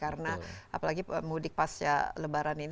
karena apalagi mudik pas ya lebaran ini